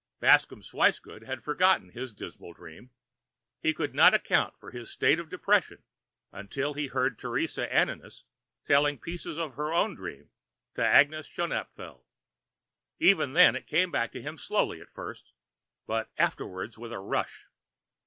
Bascomb Swicegood had forgotten his dismal dream. He could not account for his state of depression until he heard Teresa Ananias telling pieces of her own dream to Agnes Schoenapfel. Even then it came back to him slowly at first, but afterwards with a rush.